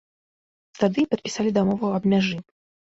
Тады і падпісалі дамову аб мяжы.